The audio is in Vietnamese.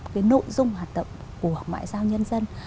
cái nội dung hoạt động của ngoại giao nhân dân